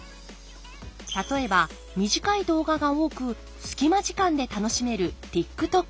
例えば短い動画が多く隙間時間で楽しめるＴｉｋＴｏｋ。